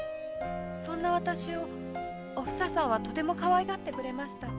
そんなあたしをおふささんはとてもかわいがってくれました。